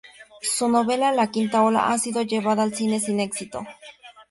Su novela La quinta ola ha sido llevada al cine sin exito.